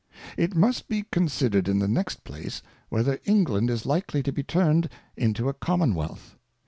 It must be considered in the next place, whether England is likely to be turn'd into a Commonwealth.